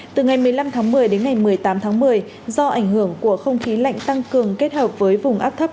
từ ngày một mươi năm tháng một mươi đến ngày một mươi tám tháng một mươi do ảnh hưởng của không khí lạnh tăng cường kết hợp với vùng áp thấp